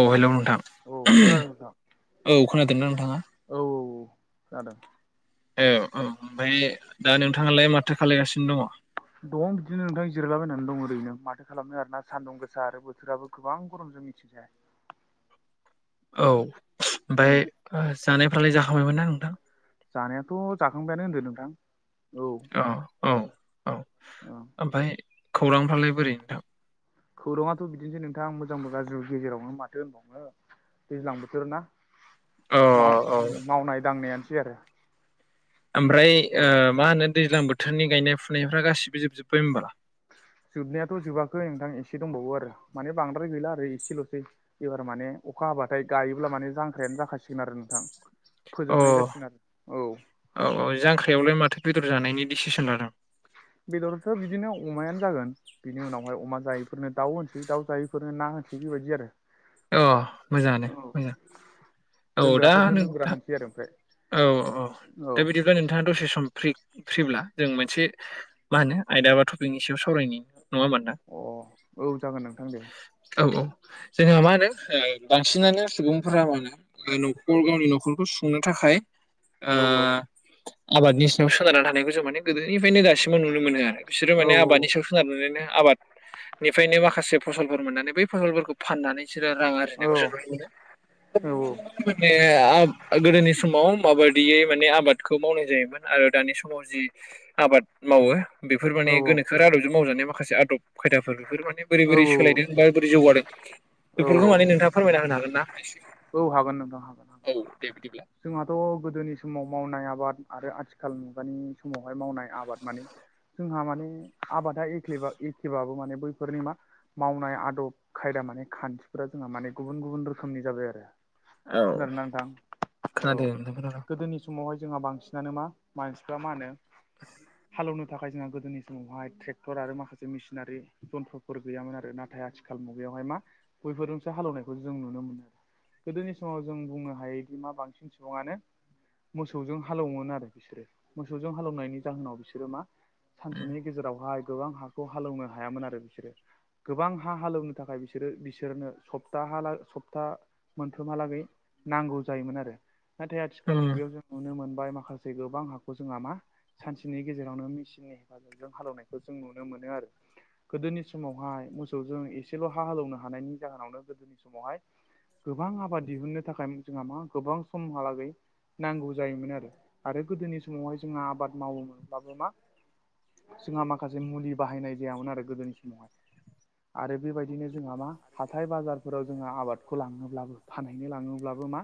औ हेलौ नोंथां औ खोनादों औ नोंथां खोनादोंना नोंथाङा? औ औ खोनादों। ए औ ओमफाय दा नोंथाङालाय माथो खालायगासिनो दङ? दं बिदिनो नोंथां जिरायलाबायनानै दं ओरैनो माथो खालामनो आरोना सान्दुं गोसा आरो बोथोराबो गोबां गरमजों मिथिजाया औ उम ओमफाय जानायफ्रालाय जाखांबायमोन ना नोंथां? जानायाथ' जाखांबायानो होनदों नोंथां। औ औ औ औ ओमफाय खौरांफ्रालाय बोरै नोंथां? खौराङाथ' बिदिनोसै नोंथां मोजांबो गाज्रि गेजेरावनो माथो होनबावनो दैज्लां बोथोर ना अ औ माव-मावनाय दांनायानोसै आरो ओमफ्राय औ मा होनो दैज्लां बोथोरनि गायनाय फुनायफ्रा गासिबो जोबजोब्बाय होनबा? जोबनायाथ' जोबाखै नोंथां एसे दंबावो आरो माने बांद्राय गैला आरो एसेल'सै एबार माने अखा हाबाथाय गायोब्ला माने जांख्रायानो जाखासिगोन आरो नोंथां। अ फोजोबनाय जासिगोन आरो औ औ औ जांख्र्रिायावलाय माथो बेदर जानायनि डिसिसन लादों? बेदरथ' बिदिनो अमायानो जागोन। बिनि उनावहाय अमा जायैफोरनो दाउ होनसै दाउ जायैफोरनो ना होनसै बेबायदि आरो अह मोजाङानो मोजां औ दा लोंग्राफोरनो लोंग्रा नोंथां होनसै आरो ओमफ्राय औ औ औ दा बिदिब्ला नोंथाङा दसे सम फ्रि फ्रिब्ला जों मोनसे मा होनो आयदा बा टपिकनि सायाव सावरायनाय नङा होमबा नोंथां? औ अ जागोन नोंथां दे। औ औ जेनेबा मा हो नो बांसिनानो सुबुंफोरा मानोे न'खर गावनि न'खरखौ सुुंनो थाखाय ओ औ आबादनि सङाव सोनारना थानायखौ जों माने गोदोनिफ्रायनो दासिमबो नुनो मोनो आरो। बिसोरो औ माने आबादनि सायाव सो नारनो आबादनिफ्रायनो माखासे फसलफोर मोननानै बै फसलफोरखौ फाननानै बिसोरो रां औ आरजिनायखौसो नुनो मोनो दा औ बेबायदिनो गोदोनि समाव माबायदियै माने आबादखौ मावनाय जायोमोन आरो दानि समाव जि आबाद मावो बेफोर औ माने गोनोखो आदबजों मावजानाय माखासे आदब खायदाफोर बेफोर माने बोरै औ बोरै सोलायदों बा बोरै जौगादों औ बेफोरखौ माने नोंथाङा फोरमायना होनो हागोन ना एसे? औ हागोन नोंथां हागोन औ दे बिदिब्ला हागोन जोंहाथ' गोदोनि समाव मावनाय आबाद आरो आथिखाल मुगानि समावहाय मावनाय आबाद माने जोंहा माने आबादा एखेबा एखेबाबो माने बैफोरनि मा मावनाय आदब खायदा माने खान्थिफोरा जोंहा माने गुबुन गुबुन रोखोमनि जाबाय आरो। खोनादोंना नोंथां औ खोनादों नोंथां खोनादों गोदोनि समावहाय जोंहा बांसिनानो मा मानसिफ्रा मा होनो हालेवनो थाखाय जोंहा गोदोनि समावहाय ट्रेक्टर आरो माखासे मेसिनारि जन्थ'फोर गैयामोन आरो नाथाय आ आंखाल मुगायावहाय मा बैयफोरजोंसो हालौनायखौ जों नुनो मोनो आरो गोदोनि समाव जों बुंनो हायोदि मा बांसिन सुबुङानो मोसौजों हालेवोमोन आरो बिसोरो मोसौजों हालेवनायनि जाहोनाव बिसोरो मा सानसेनि गेजेरावहाय गोबां हाखौ हालेवनो हायामोन आरो बिसोरो। गोबां हा हालेवनो थाखाय बिसोरो बिसोरनो सप्ताहा ला सप्ता मोनफ्रोमहालागै नांगौ जायोमोन आरो नाथाय आथिखाल उम मुगायाव जों नुनो मोनबाय माखासे गोबां हाखौ जों मा सानसेनि गेजेरावनो मिसिननि हालौनायखौ जों नुनो मोनो आरो गोदोनि समावहाय मोसौजों एसेल' हा हालौनो हानायनि जाहोनावनो गोदोनि समावहाय गोबां आबाद दिहुननो थाखाय जोंहा मा गोबां समहालागै नांगौ जायोमोन आरो आरो गोदोनि समावहाय जोंहा आबाद मावोमोनब्लाबो मा जोंहा माखासे मुलि बाहायनाय जायामोन आरो गोदोनि समावहाय आरो बेबायदिनो जोंहा मा हाथाय बाजारफोराव जोंहा आबादखौ लाङोब्लाबो फानहैनो लां थाङोब्लाबो मा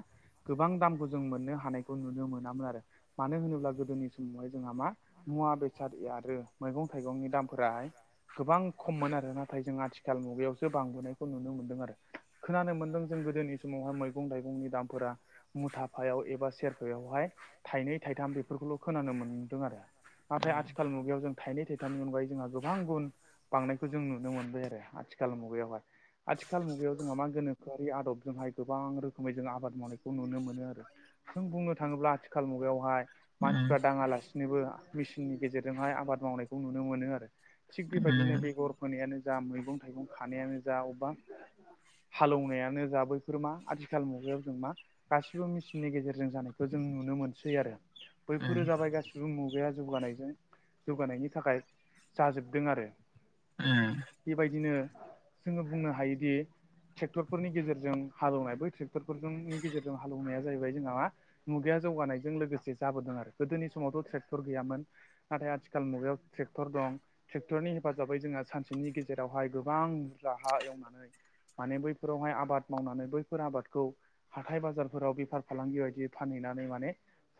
गोबां दामखौ जों मोननो हानायखौ नुनो मोनामोन आरो। मानो होनोब्ला गोदोनि समावहाय जोंहा मा मुवा बेसाद आरो मैगं थाइगंनि दामफोराहाय गोबां खममोन आरो नाथाय जों आथिखाल मुगायावसो बांबोनायखौ नुनो मोनदों आरो खोनानो मोन्दों जों गोदोनि समावहाय मैगं थाइगंनि दामफोरा मुथाफायाव एबा सेरफायावहाय थाइनै थाइथाम बेफोरखौल' खोनानो मोनदों आरो। उम नाथाय आथिखाल मुगायाव जों थाइनै थाइथाइनि अनगायै जोंहा गोबां गुन बांनायखौ जों नुनो मोनबाय आरो आथिखाल मुगायावहाय आथिखाल मुगायाव जोंहा मा गोनो खोरि आदबजोंहाय गोबां रोखोमै जों आबाद मावनायखौ नुनो मोनो आरो। जों बुंनो थाङोब्ला आथिखाल मुगायावहाय उम मानसिफ्रा दाङालासिनोबो मेसिननि गेजेरजोंहाय आबाद मावनायखौ नुनो मोनो आरो। थिग उम बेबायदिनो उम बेगर फोनायानो जा मैगं थाइगं खानायानो जा अबेबा हालौवनाय यानो जा बैफोर मा आथिखाल मुगायाव जों मा गासिबो मेसिननि गेजेरजों जानायखौ जों नुनो मोनसै आरो औ बैफोरो उम उम जाबाय गासिबो मुगाया जौगानायजों जौगानायनि थाखाय जाजोबदों आरो। उम बेबायदिनो जोङो बुंनो हायोदि ट्रेक्टरफोरनि गेजेरजों हालौवनाय बै ट्रेक्टरफोरजोंनि गेजेरजों हालेवनाया जाहैबाय जोंहा मुगाया जौगानायजों लोगोसे जाबोदों आरो गोदोनि समावथ' ट्रेक्टर गैयामोन? नाथाय आथिखाल मुगायाव ट्रेक्टर दं। ट्रेक्टरनि हेफाजाबै जोंहा सानसेनि गेजेरावहाय गोबां बुरजाहा एवनानै माने बै फोरावहाय आबाद मावनानै बैफोर आबादखौ हाथाय बाजारफोराव बेफार फालांगि बायदि फानहैनानै माने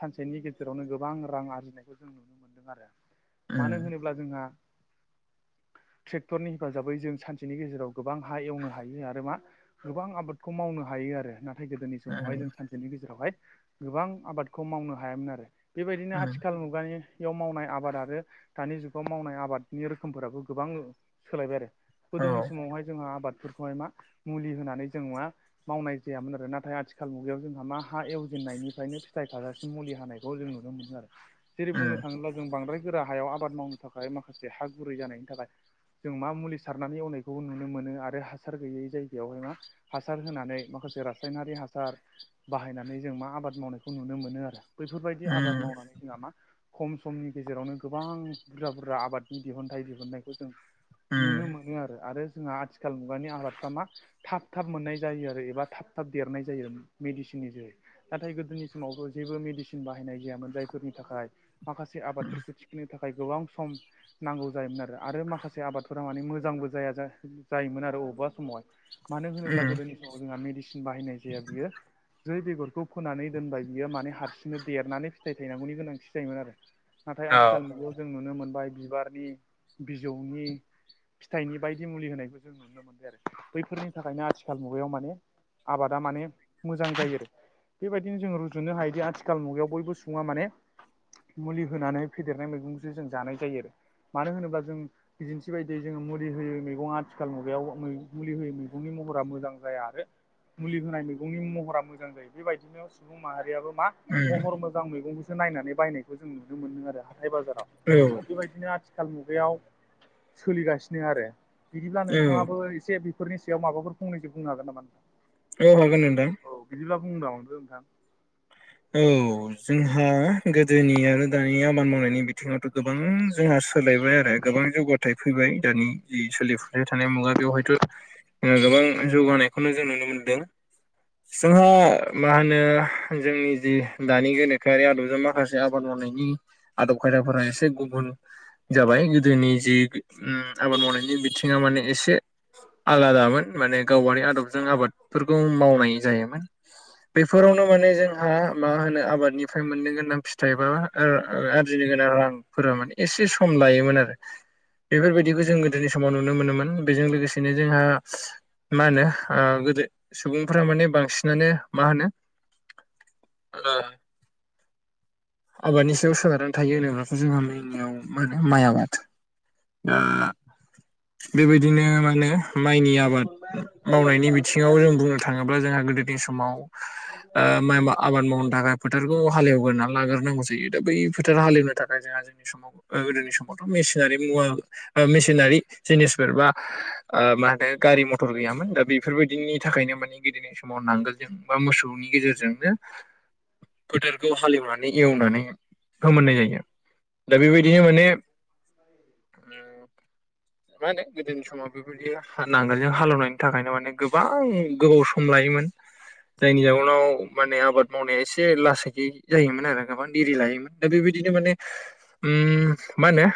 सानसेनि गेजेरावनो गोबां रां आरजिनायखौ जों नुनो मोनदों आरो औ मानो होनोब्ला जोंहा ट्रेक्टरनि हेफाजाबै जों सानसेनि गेजेराव गोबां हा एवनो हायो आरो मा गोबां आबादखौ मावनो हायो आरो नाथाय गोदोनि समावहाय उम जों सान बिनि गेजेरावहाय गोबां आबादखौ मावनो हायामोन आरो बेबायदिनो आथिखाल मुगानि बेयाव मावनाय आबाद आरो दानि जुगाव मावनाय आबादनि रोखोमफोराबो गोबां सोलायबाय आरो। गोदोनि समावहाय जोंहा आबादफोरखौहाय मा मुलि होनानै जों मा मावनाय जायामोन आरो नाथाय आथिखाल मुगायाव जोंहा मा हा एवजेननायनिफ्रायनो फिथाइ खागासिनो मुलि हानायखौ जों नुनो मोनो आरो जेरै बुंनो थाङोबाजों बांद्राय गोरा हायाव आबाद मावनो थाखाय माखासे हा गुरै जानायनि थाखाय जों मा मुलि सारनानै एवनायखौबो नुनो मोनो आरो हासार गैयै जाय बेवहाय मा हासार होनानै माखासे रासायनारि हासार बाहायनानै जों मा आबाद मावनायखौ नुनो मोनो आरो। बैफोरबायदि आबाद मावनानै जोंहा मा खम समनि गेजेरावनो गोबां बुरजा बुरजा आबादनि दिहुनथाइ दिहुननायखौ जों नुनो मोनो आरो आरो जोंहा आथिखाल मुगानि आबादफ्रा मा थाब थाब मोननाय जायो आरो एबा थाब थाब देरनाय जायो, मेडिसिननि जोहै। नाथाय गोदोनि समावबो जेबो मेडिसिन बाहायनाय जायामोन जायफोरनि थाखाय माखासे आबादफोरखौ थिखनो थाखाय गोबां सम नांगौ जायोमोन आरो। आरो माखासे आबादफोरा माने मोजांबो जाया जायोमोन आरो बबेबा समावहाय। मानो होनोब्ला गोदोनि समाव जोंहा मेडिसिन बाहायनाय जाया बियो जै बेगरखौ फोनानै दोनबाय बियो माने हारसिंनो देरनानै फिथाइ थायनांगौनि गोनांथि जायोमोन आरो। नाथाय आथिखाल मुगायाव जों नुनो मोनबाय बिबारनि बिजौनि फिथाइनि बायदि मुलि होनायखौ जों नुनो मोनबाय आरो। बैफोरनि थाखायनो आथिखाल मुगायाव माने आबादा माने मोजां जायो आरो। बेबायदिनो जों रुजुनो हायोदि आथिखाल मुगायाव बयबो सुबुङा माने मुलि होनानै फेदेरनाय मैगंजों जों जानाय जायो आरो। मानो होनोब्ला जों बिदिन्थि बायदियै जोङो मुलि होयो मैगङा आथिखाल मुगायाव मै मुलि होयै मैगंनि महरा मोजां जाया आरो मुलि होनाय मैगंनि महरा मोजां जायो। बेबायदिनो सुबुं माहारियाबो मा महर मोजां मैगंखौसो नायनानै बायनायखौ जों नुनो मोनो आरो हाथाय बाजाराव। औ बेबायदिनो आथिखाल आथिखाल मुगायाव सोलिगासिनो आरो। बिदिब्ला औ नोंथाङाबो एसे बेफोरनि सायाव माबाफोर फंनसजों बुं हागोन नामा‍? औ हागोन नोंथां। औ बिदिब्ला बुंना हरदो नोंथां। औ जोंहा गोदोनि आरो दानि आबाद मावनायनि बिथिङावथ' गोबां जोंहा सोलायबाय आरो। गोबां जौगाथाय फैबाय दानि जि सोलिफुनाय थानाय मुगा बेयावहायथ' गोबां जौगानायखौनो जों नुनो मोन्दों। जोंहा मा होनो जोंनि दानि गोनोखोआरि आदबजों माखासे आबाद मावनायनि आदब खायदाफोरा एसे गुबुन जाबाय गोदोनि जि आबाद मावनायनि बिथिङा माने एसे आलादामोन माने गावारि आदबजों आबादफोरखौ मावनाय जायोमोन। बेफोरावनो माने जोंहा मा होनो आबादनिफ्राय मोननो गोनां फिथाइ बा आरजिनो गोनां रांफोरा माने एसे सम लायोमोन आरो। बेफोरबायदिखौ जों गोदोनि समाव नुनो मोनोमोन। बेजों लोगोसेनो जोंहा मा होनो गोदो सुबुंफोरा माने बांसिनानो मा होनो [unintelligible] आबादनि सायाव सोनारनानै थायो होनोब्लाथ' जों गामिनियाव माइ आबाद। दा थिग बेबायदिनो माने माइनि आबाद मावनायनि बिथिङाव जों बुंनो थाङोब्ला जोंहा गोदोनि समाव माइ आबाद मावनो थाखाय फोथारखौ हालेवगोरना लाग्रोनांगौ जायो। दा बै फोथार हालेवनो थाखाय जोंहा जोंनि समाव गोदोनि समावथ' मेसिनारि मुवा ओ मेसिनारि जिनिसफोर बा मा होनो गारि मथर गैयामोन दा बेफोरबायदिनि थाखायनो मानि गोदोनो समाव नांगोलजों बा मोसौनि गेजेरजोंनो फोथारखौ हालेवनानै एवनानै फोमोननाय जायो‌। दा बेबायदिनो माने [unintelligible] मा होनो गोदोनि समाव बेबायदि नांगाल जों हालेवनायनि थाखायनो माने गोबां गोबाव सम लायोमोन। जायनि जउनाव माने आबाद मावनाया एसे लासैयै जायोमोन आरो। गोबां दिरि लायोमोन। दा बेबायदिनो माने उ मा होनो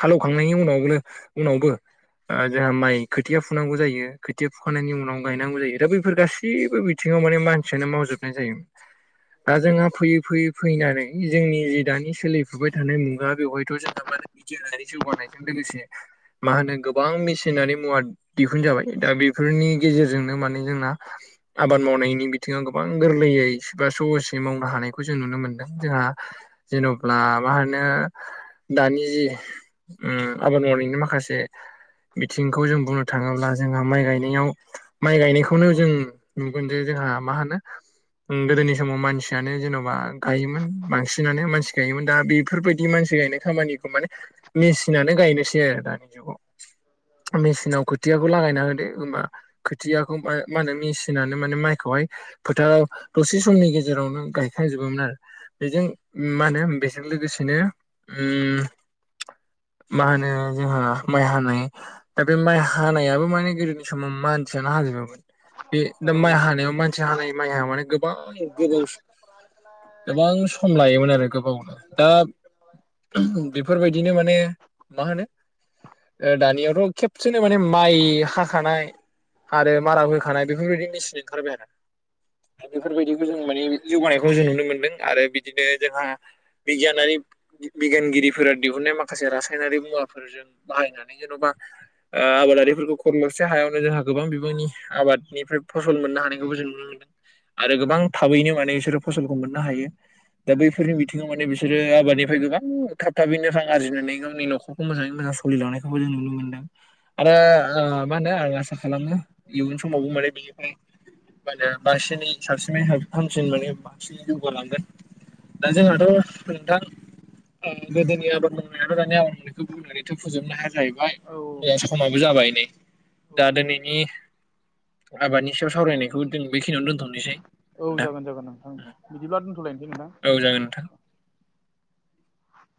हालेवखांनायनि उनावनो उनावबो जोंहा माइ खोथिया फुनांगौ जायो। खोथिया फुखांनायनायनि उनाव गायनांगौ जायो। दा बैफोर गासिबो बि थिङाव माने मानसियानो मावजोबनाय जायो। दा जोंहा फैयै फैयै फैनानै जोंनि जि दानि सोलिफुबाय थानाय मुगा बेवहायथ' जोंहा माने बिगियानारि जौगानायजों लोगोसे मा होनो गोबां मेसिनारि मुवा दिहुनजाबाय। दा बेफोरनि गेजेरजोंनो माने जोंना आबाद मावनायनि बि थिङाव गोबां गोरलैयै एबा सहसै मावनो हानायखौ जों नुनो मोनदों। जोंहा जेन'ब्ला मा होनो दानि जि उम आबाद मावनायनायनि माखासे बिथिंखौ जों बुंनो थाङोब्ला जोंहा माइ गायनायाव, माइ गायनायखौनो जों नुगोन जे जोंहा मा होनो उम गोदोनि समाव मानसि आनो जेन'बा गायोमोन बांसिनानो मानसि गायोमोन दा बेफोरबायदि मानसि गायनाय खामानिखौ माने मेसिनानो गायनोसै आरो दा। मेसिनाव खोथियाखौ लागायना होदो होमबा खोथियाखौ माय मा होनो मेसिनानो माने माइखौहाय फोथाराव दसे समनि गेजेरावनो गायखांजोबोमोन आरो। बेजों मा होनो बेजों लोगोसेनो उम मा होनो जोंहा माइ हानाय, दा बे माइ हानायाबो माने गोदोनि समाव मानसियानो हाजोबोमोन। बे दा औ माइ हानायाव मानसि हानाय माया माने गोबां गोबाव सम [inaudible] गोबां सम लायोमोन आरो गोबावनो। दा बे बेफोरबायदिनो माने मा होनो दानियावथ' खेबसेनो माने माइ हाखानाय आरो माराबो होखानाय बेफोरबायदि मेसिन ओंखारबाय आरो। दा बेफोरबायदिखौ जों माने जौगानायखौ जों नुनो मोनदों आरो बिदिनो जोंहा बिगियानारि बिगियानगिरिफोरा दिहुनन्नाय माखासे रासायनारि मुवाफोरजों बाहायनानै जेन'बा आबादारिफोरखौ खरलबसे हायावनो जोंहा गोबां बिबांनि आबादनिफ्राय फसल मोननो हानायखौबो जों नुनो मोनदों। आरो गोबां थाबैनो माने बिसोरो फसलखौ मोननो हायो। दा बैफोरनि बिथिङाव माने बिसोर सोरो आबादनिफ्राय गोबां थाब थाबैनो रां आरजिनानै गावनि नखरखौ मोजाङै मोजां फुलि लांनायखौबो जों नुनो मोनदों आरो ओ मा होनो आं आसा खालामो इयुन समावबो माने बेनिफ्राय बांसिनै सासिनै हामसिन माने बांसिनै जौगालांगोन। दा जोंहाथ' नोंथां ओ गोदोनि आबाद मावनायाथ' दानि आबाद मावनायखौ बुंनो आरो थ' फोजोबनो हाया जाहैबाय औ जोंना समाबो जाबाय नै। दा दिनैनि आबादनि सायाव सावरायनायखौ जों बेखिनियावनो दोनथ'नोसै। औ नोंथां जागोन जागोन नोंथां दे बिदिब्ला दोनथ'लायनोसै नोंथां। औ जागोन नोंथां